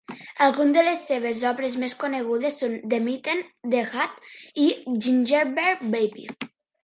Alguns de les seves obres més conegudes són "The Mitten", "The Hat" i "Gingerbread Baby".